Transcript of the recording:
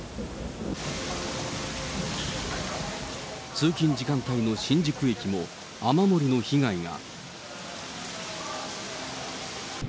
通勤時間帯の新宿駅も、雨漏りの被害が。